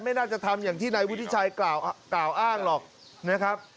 ไม่น่าจะทำอย่างที่นายวุฒิชัยกล่าวอ้างหรอกนะครับ